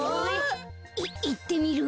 いいってみる？